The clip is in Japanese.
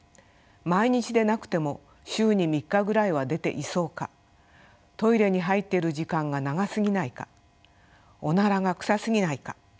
毎日でなくても週に３日ぐらいは出ていそうかトイレに入っている時間が長過ぎないかオナラが臭過ぎないか。